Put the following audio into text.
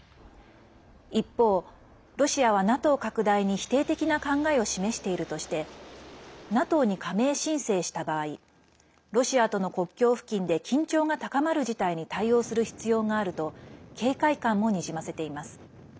一方、ロシアはＮＡＴＯ拡大に否定的な考えを示しているとしてＮＡＴＯに加盟申請した場合ロシアとの国境付近で緊張が高まる事態に対応する必要があると警戒感もにじませています。